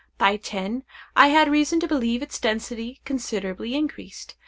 By ten, I had reason to believe its density considerably increased.